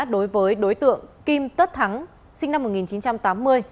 đối với đối tượng kim tất thắng sinh năm một nghìn chín trăm tám mươi